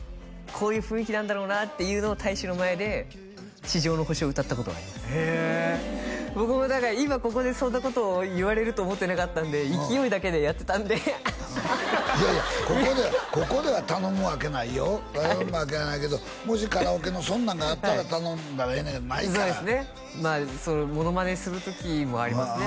こういう雰囲気なんだろうなっていうのを大志の前で「地上の星」歌ったことがありますへえ僕もだから今ここでそんなことを言われると思ってなかったんで勢いだけでやってたんでいやいやここでここでは頼むわけないよ頼むわけないけどもしカラオケのそんなんがあったら頼んだらええねんないからそうですねまあそのモノマネする時もありますね